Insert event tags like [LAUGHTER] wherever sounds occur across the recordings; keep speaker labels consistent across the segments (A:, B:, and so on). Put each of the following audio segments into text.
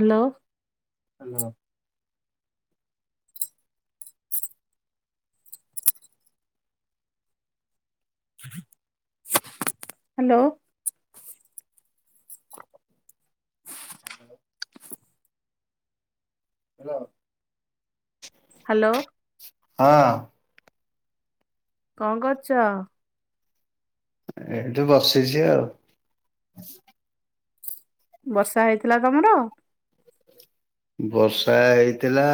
A: Hello. Hello. Hello.
B: ହଁ।
A: କଣ କର୍ଚ?
B: ଏଇଠି ବସିଛି ଆଉ।
A: ବର୍ଷା ହେଇଥିଲା ତମର?
B: ବର୍ଷା ହେଇଥିଲା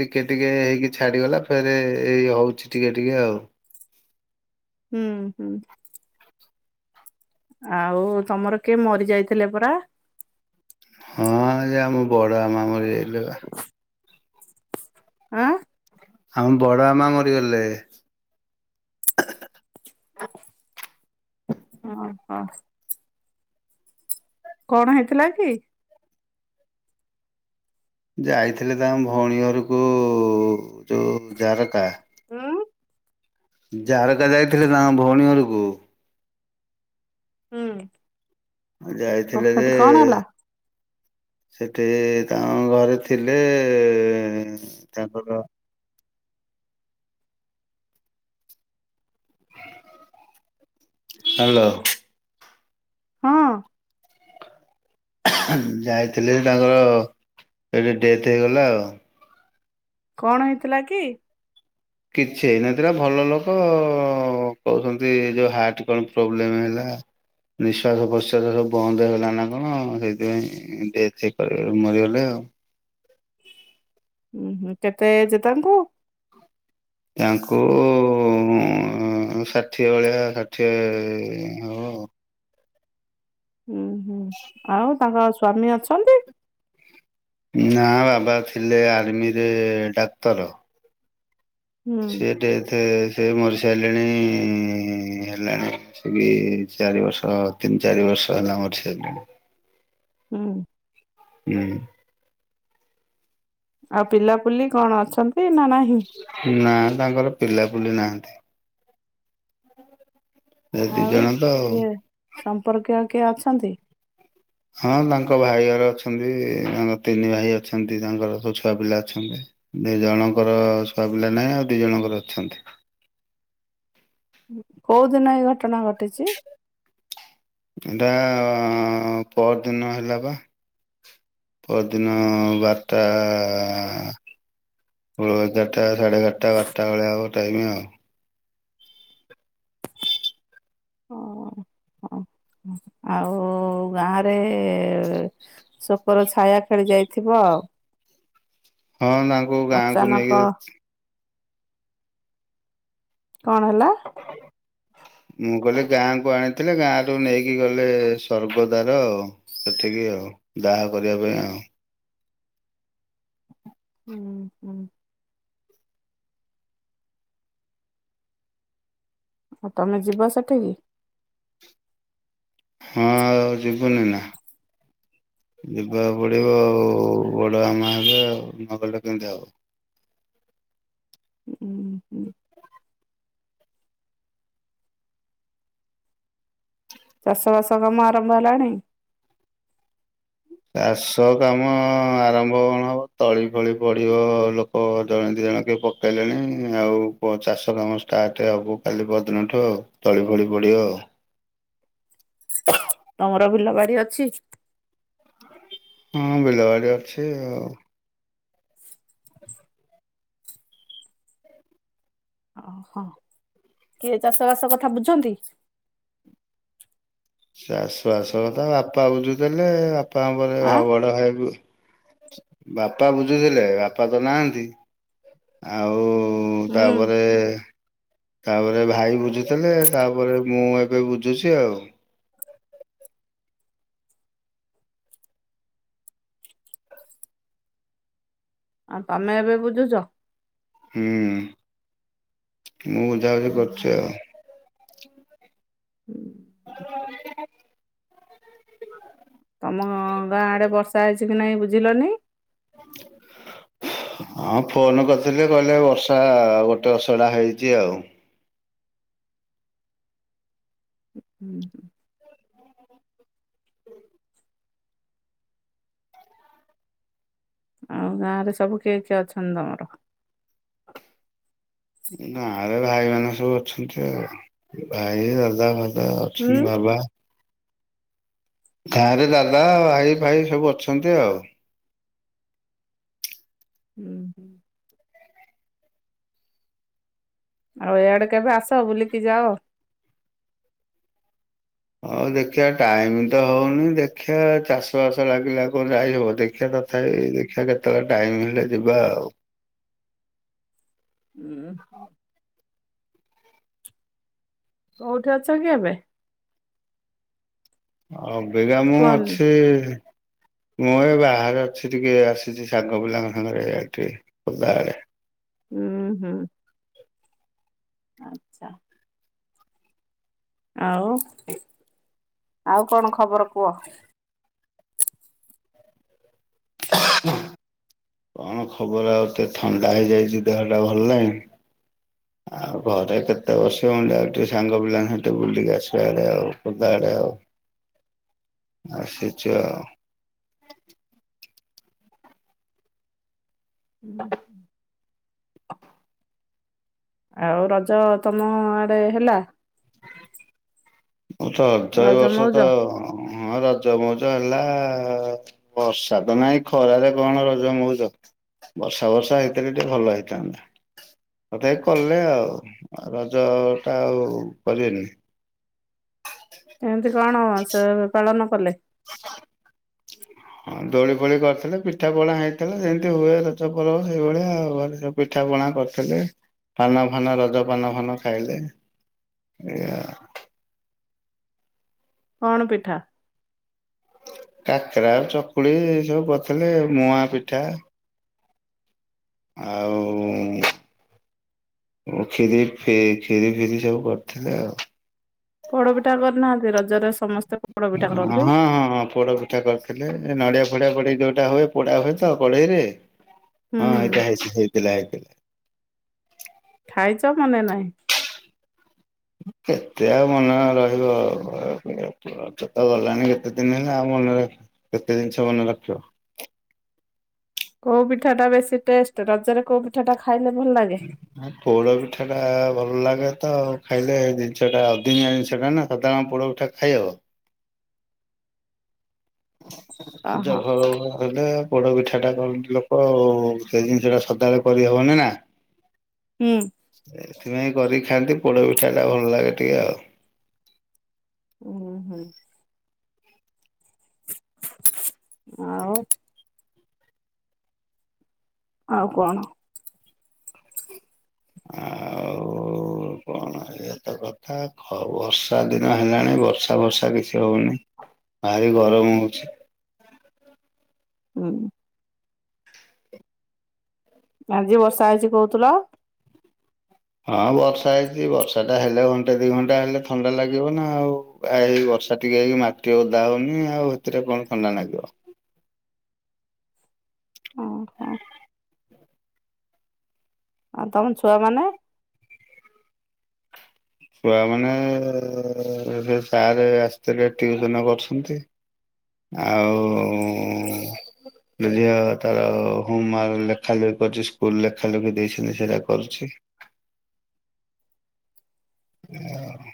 B: ଟିକେ ଟିକେ ହେଇକି ଛାଡିଗଲା ଫେରେ ଏଇ ହୋଉଛି। ଟିକେ ଟିକେ ଆଉ।
A: ହୁଁ- ହୁଁ। ଆଉ ତମର କିଏ ମରି ଯାଇଥିଲେ ପରା?
B: ହଁ ସେ ଆମ ବଡ ଆମା ମରି ଯାଇଥିଲେ ପା।
A: ଆଁ
B: ଆମ ବଡ ଆମା ମରିଗଲେ।
A: ହଁ- ହଁ। କଣ ହେଇଥିଲା କି?
B: ଯାଇଥିଲେ ତାଙ୍କ ଭଉଣୀ ଘରକୁ ଯୋଉଁ ଜାରକା।
A: ହୁଁ।
B: ଝାରକା ଯାଇଥିଲେ ତାଙ୍କ ଭଉଣୀ ଘରକୁ।
A: ହୁଁ ଓ
B: ଯାଇଥିଲେ ଯେ
A: ସେଠି କଣ ହେଲା?
B: ସେଠି ତାଙ୍କ ଘରେ ଥିଲେ ତାଙ୍କର। ହାଲୋ।
A: ହଁ।
B: ଯାଇଥିଲେ ତାଙ୍କର ଏଠି ଡେଥ୍ ହେଇଗଲା ଆଉ।
A: କଣ ହେଇଥିଲା କି?
B: କିଛି ହେଇନଥିଲା ଭଲ ଲୋକ କହୁଛନ୍ତି ଯୋଉ ହାର୍ଟ କଣ ପ୍ରୋବ୍ଲେମ୍ ହେଲା ନିଃଶ୍ୱାସ ପ୍ରଶ୍ଵାସ ସବୁ ବନ୍ଦ ହେଇଗଲା ନା କଣ ସେଇଥିପାଇଁ ଡେଥ୍ କରି ମରିଗଲେ ଆଉ
A: ଉଁ ହୁଁ କେତେ ଏଜ୍ ତାଙ୍କୁ?
B: ତାଙ୍କୁ ଉଁ ଷାଠିଏ ଭଳିଆ ଷାଠିଏ ହବ।
A: ଉଁ ହୁଁ ଆଉ ତାଙ୍କ ସ୍ଵାମୀ ଅଛନ୍ତି?
B: ନା ବାବା ଥିଲେ ଆର୍ମିରେ ଡାକ୍ତର।
A: ହୁଁ
B: ସିଏ ଟେଥ୍ ସେ ମରିସାରିଲେଣି ହେଲାଣି ସେ ବି ଚାରି ବର୍ଷ ତିନି ଚାରି ବର୍ଷ ହେଲା ମରିସାରିଲେଣି।
A: ହୁଁ
B: ଉଁ
A: ଆଉ ପିଲାପୁଲି କଣ ଅଛନ୍ତି ନା ନାହିଁ?
B: ନା ତାଙ୍କର ପିଲାପୁଲି ନାହାନ୍ତି। ଏ ଦି
A: ଆଉ
B: ଜଣ ତ ଆଉ।
A: କିଏ ସମ୍ପର୍କୀୟ କିଏ ଅଛନ୍ତି?
B: ହଁ ତାଙ୍କ ଭାଇ ଘର ଅଛନ୍ତି, ତାଙ୍କ ତିନି ଭାଇ ଅଛନ୍ତି, ତାଙ୍କର ସବୁ ଛୁଆ ପିଲା ଅଛନ୍ତି। ଦି ଜଣଙ୍କର ସୁଆପିଲା ନାହିଁ, ଆଉ ଦି ଜଣଙ୍କର ଅଛନ୍ତି।
A: କୋଉ ଦିନ ଏଇ ଘଟଣା ଘଟିଚି?
B: ଏଟା ପଅର ଦିନ ହେଲା ବା। ପଅର ଦିନ ବାରଟା ଅ ଏଗାରଟା, ସାଢ଼େ ଏଗାରଟା, ବାରଟା ଭଳିଆ ହବ ଟାଇମି ଆଉ
A: ହଁ ଆଉ ଗାଁରେ ଶୋକର ଛାୟା ଖେଳି ଯାଇଥିବ ଆଉ
B: ହଁ ତାଙ୍କୁ ଗାଁକୁ
A: ଅଚାନକ
B: ନେଇକି
A: କଣ ହେଲା?
B: ମୁଁ କଇଲି ଗାଁ କୁ ଆଣିଥିଲେ ଗାଁ ରୁ ନେଇକି ଗଲେ ସ୍ଵର୍ଗଦ୍ଵାର। ସେଠିକି ଆଉ ଦାହ କରିବା ପାଇଁ ଆଉ
A: ହୁଁ ହୁଁ ଆଉ ତମେ ଯିବ ସେଠିକି?
B: ହଁ ଆଉ ଯିବୁନି ନା। ଯିବାକୁ ପଡିବ ଆଉ ବଡ ଆମା ହେବେ ଆଉ ନଗଲେ କେମିତି ହବ।
A: ହୁଁ
B: [INAUDIBLE]
A: ଚାଷ ବାସ କାମ ଆରମ୍ଭ ହେଲାଣି?
B: ଚାଷ କାମ ଆରମ୍ଭ କଣ ହବ ତଳି ଫଳି ପଡିବ ଲୋକ୍ ଲୋକ ଜଣେ ଦି ଜଣ କିଏ ପକେଇଲେଣି, ଆଉ ପ ଚାଷ କାମ ଷ୍ଟାର୍ଟ ହବ କାଲି ପଅର ଦିନ ଠୁ ଆଉ ତଳି ଫଳି ପଡ଼ିବ।
A: ତମର ବିଲବାଡ଼ି ଅଛି?
B: ହଁ ବିଲବାଡ଼ି ଅଛି ଆଉ
A: ଓହୋ, କିଏ ଚାଷ ବାସ କଥା ବୁଝନ୍ତି?
B: ଚାଷ ବାସ କଥା ବାପା ବୁଝୁଥେଲେ ବାପ୍ ବାପାଙ୍କ ପରେ ଭା
A: ଆଁ
B: ବଡ ଭାଇ ବି ବାପା ବୁଝୁଥିଲେ ବାପା ତ ନାହାଁନ୍ତି। ଆଉ
A: ହୁଁ
B: ତାପରେ ତାପରେ ଭାଇ ବୁଝୁଥିଲେ ତାପରେ ମୁଁ ଏବେ ବୁଝୁଛି ଆଉ।
A: ଆଉ ତମେ ଏବେ ବୁଝୁଚ?
B: ହୁଁ ମୁଁ ବୁଝାବୁଝି
A: ହୁଁ,
B: କରୁଚି ଆଉ।
A: [UNINTELLIGIBLE]
B: [UNINTELLIGIBLE]
A: ତମ ଗାଁ ଆଡେ ବର୍ଷା ହେଇଛି କି ନାହିଁ ବୁଝିଲନି? [UNINTELLIGIBLE]
B: ହଁ ଫୋନ କରିଥିଲି କହିଲେ ବର୍ଷା ଗୋଟେ ଅସରା ହେଇଛି ଆଉ।
A: ହୁଁ, ହୁଁ। ତମ ଗାଁ ରେ ସବୁ କେମିତି ଅଛନ୍ତି ତମର?
B: ଗାଁ ରେ ଭାଇ ମାନେ ସବୁ ଅଛନ୍ତି ଆଉ। ଭାଇ, ଦାଦା
A: ହୁଁ
B: ଅଛନ୍ତି ବାବା ଗାଁରେ ଦାଦା, ଭାଇ, ଫାଇ ସବୁ ଅଛନ୍ତି ଆଉ।
A: ହୁଁ, ହୁଁ ଆଉ ଏଇଆଡେ କେବେ ଆସ ବୁଲିକି ଯାଅ?
B: ହଉ ଦେଖିବା ଟାଇମ ତ ହଉନି ଦେଖିବା ଚାଷ ବାସ ଲାଗିଲେ ଆଉ କଣ ଯାଇହବ ଦେଖିବା ତ ତଥାପି ଦେଖିବା କେତେବେଳେ ଟାଇମ ମିଳିଲେ ଯିବା ଆଉ।
A: ହୁଁ। କୋଉଠି ଅଛ କି ଏବେ?
B: ଅବିକା ମୁଁ
A: କୁହନି
B: ଅଛି ମୁଁ ଏ ବାହାରେ ଅଛି ଟିକେ ଆସିଛି ସାଙ୍ଗ ପିଲାଙ୍କ ସାଙ୍ଗରେ ଏଠି ଖୋର୍ଦ୍ଧା ଆଡେ।
A: ହୁଁ, ହୁଁ। ଆଚ୍ଛା। ଆଉ ଆଉ କଣ ଖବର କୁହ? [UNINTELLIGIBLE]
B: କଣ ଖବର ଆଉ ଟିକେ ଥଣ୍ଡା ହେଇଯାଇଛି ଦେହ ଟା ଭଲ ନାହିଁ।
A: [UNINTELLIGIBLE]
B: ଆଉ ଘରେ କେତେ ବସିବ ଆଉ ଟିକେ ସାଙ୍ଗ ପିଲାଙ୍କ ସାଙ୍ଗରେ ଟିକେ ବୁଲିକି ଆସିବା ଆଡେ ଆଉ ଖୋର୍ଦ୍ଧା ଆଡେ ଆଉ।
A: [UNINTELLIGIBLE]
B: ଆସିଛି ଆଉ।
A: [UNINTELLIGIBLE] ଆଉ ରଜ ତମ ଆଡେ ହେଲା?
B: ହଁ ତ ରଜ ଏ ବର୍ଷ ତ ହଁ ରଜ ମଉଜ ହେଲା। ବର୍ଷା ତ ନାଇଁ ଖରାରେ କଣ ରଜମଉଜ। ବର୍ଷା, ବର୍ଷା ହେଇଥିଲେ ଟିକେ ଭଲ ହେଇଥାନ୍ତା। ତଥାପି କଲେ ଆଉ ରଜଟା ଆଉ କରିବେନି।
A: କେମିତି କଣ ସେ ପାେଳନ କଲେ?
B: ହଁ ହଁ ଦୋଳି ଫୋଳି କରିଥିଲେ, ପିଠା ପଣା ହେଇଥିଲା ଯେମିତି ହୁଏ ରଜ ପର୍ବ ସେଇ ଭଳିଆ ଆଉ ଘରେ ପିଠା ପଣା କରିଥିଲେ ପାନ ଫାନ ରଜ ପାନ ଫାନ ଖାଇଲେ। ଏଇଆ
A: କଣ ପିଠା?
B: କାକେରା, ଚକୁଳି ଏ ସବୁ କରିଥିଲେ ମୁଆଁ ପିଠା, ଆଉ ଷୀରି ଫ କ୍ଷୀରି, ଫିରି ସବୁ କରିଥିଲେ ଆଉ।
A: ପୋଡପିଠା କରିନାହାନ୍ତି ରଜରେ ସମସ୍ତେ ପୋଡ
B: ହଁ,
A: ପିଠା କରନ୍ତି।
B: ହଁ, ହଁ ପୋଡ଼ ପିଠା କରିଥିଲେ, ନଡିଆ ଫଡିଆ ପଡି ଯୋଉଟା ହୁଏ ପୋଡା ହୁଏ ତ କଢେଇରେ?
A: ହୁଁ
B: ହଁ ଏଇତ ହେଇ ହେଇଥିଲା ହେଇଥିଲା।
A: ଖାଇଛ ମନେ ନାହିଁ?
B: କେତେ ଆଉ ମନେ ରହିବ କଥା ତ ଗଲାଣି କେତେ ଦିନ ହେଲା ଆଉ ମନେ ରଖିବ। କେତେ ଜିନିଷ ମନେ ରଖିବ।
A: କୋଉ ପିଠାଟା ବେଶୀ ଟେଷ୍ଟ ରଜରେ କୋଉ ପିଠାଟା ଖାଇଲେ ଭଲ ଲାଗେ?
B: ପୋଡ ପିଠାଟା ଭଲ ଲାଗେ ତ ଖାଇଲେ ଜିନିଷଟା ଅଧିନିଆ ଜିନିଷ ଟା ନା ସଦାବେଳେ ପୋଡ ପିଠା ଖାଇହବ?
A: ଅହୋ
B: [UNINTELLIGIBLE] ହେଲେ। ପୋଡ଼ ପିଠାଟା କଣ କି ଲୋକ ଆଉ ସେ ଜିନିଷଟା ସଦାବେଳେ କରିହବନି ନା।
A: ହୁଁ।
B: ଏଥିପାଇଁ କରିକି ଖାଆନ୍ତି ପୋଡ ପିଠାଟା ଭଲ ଲାଗେ ଟିକେ ଆଉ।
A: ହୁଁ ହୁଁ। ଆଉ ଆଉ କଣ?
B: ଆଉ
A: [INAUDIBLE]
B: କଣ ଇଏ ତ କଥା, ବର୍ଷା ଦିନ ହେଲାଣି ବର୍ଷା ବର୍ଷା କିଛି ହଉନି। ଭାରି ଗରମ ହଉଛି।
A: ହୁଁ। ଆଜି ବର୍ଷା ହେଇଛି କହୁଥିଲ?
B: ହଁ ବର୍ଷା ହେଇଛି ବର୍ଷାଟା ହେଲେ ଘଣ୍ଟା ଦି ଘଣ୍ଟା ହେଲେ ଥଣ୍ଡା ଲାଗିବ ନା ଆଉ। ଆ ଏଇ ବର୍ଷା ଟିକେ ହେଇ ମାଟି ଓଦା ହଉନି ଆଉ ସେଥିରେ କଣ ଥଣ୍ଡା ଲାଗିବ?
A: ହଁ ହଁ। ଆଉ ତମ ଛୁଆମାନେ?
B: ଛୁଆମାନେ ଏବେ ସାର୍ ଆସିଥିଲେ ଟିଉସନ୍ କରୁଛନ୍ତି। ଆଉ ଝିଅ ତାର ହୋମୱର୍କ ଲେଖା ଲେଖି କରୁଛି, ସ୍କୁଲରେ ଲେଖା ଲେଖି ଦେଇଛନ୍ତି ସେଇଟା କରୁଛି। ଏୟା ଆଉ।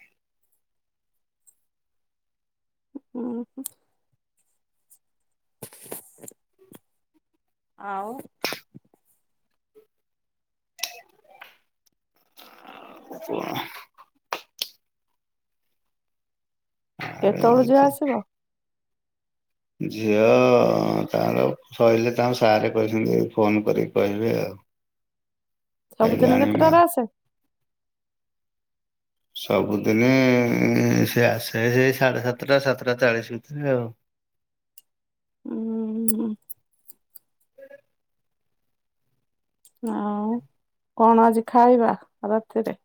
A: ହୁଁ, ହୁଁ। ଆଉ
B: [INAUDIBLE]
A: କେତେବେଳୁ ଝିଅ ଆସିବ?
B: ଝିଅ ତାର ସରିଲେ ତାଙ୍କ ସାରେ କହିଛନ୍ତି ଫୋନ କରିକି କହିବେ ଆଉ। ଯାଇକି
A: ସବୁଦିନ
B: ଆଣିବେ ଆଉ।
A: କେତେଟାରେ ଆସେ?
B: ସବୁଦିନେ ସେ ଆସେ ସେଇ ସାଢେ ସାତଟା ସାତଟା ଚାଳିଶ ଭିତରେ ଆଉ।
A: ଉଁ ହୁଁ
B: [UNINTELLIGIBLE]
A: ଆଉ କଣ ଆଜି ଖାଇବା ରାତିରେ?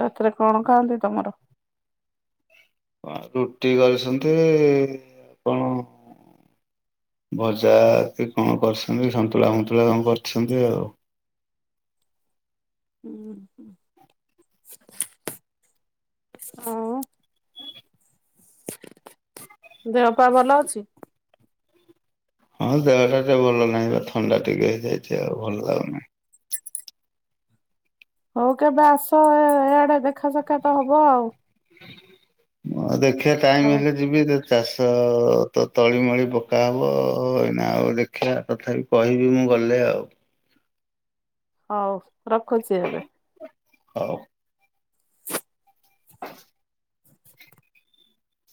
A: ରାତିରେ କଣ ଖାଆନ୍ତି ତମର?
B: ରୁଟି କରିଛନ୍ତି କଣ ଭଜା କି କଣ କରିଛନ୍ତି, ସନ୍ତୁଳା ଫନ୍ତୁଳା କଣ କରିଛନ୍ତି ଆଉ।
A: [INAUDIBLE] ଆଉ। ଦେହ ପା ଭଲ ଅଛି?
B: ହଁ ଦେହଟା ଟିକେ ଭଲ ନାହିଁ ବା ଥଣ୍ଡା ଟିକେ ହେଇଯାଇଛି ଆଉ ଭଲ ଲାଗୁନି।
A: ହଉ କେବେ ଆସ ଏ ଇଆଡେ ଦେଖା ସାକ୍ଷାତ ହବ ଆଉ।
B: ଆ, ଦେଖେ ଟାଇମ
A: ହଉ
B: ହେଲେ। ବିଭିନ୍ନ ଚାଷ ତ ତଳି ମଳି ପକାହବ ଏଇନା ଆଉ ଦେଖ ଖିଆ ତଥାପି କହିବି ମୁଁ ଗଲେ ଆଉ
A: ହଉ ରଖୁଛି ଏବେ
B: ହଉ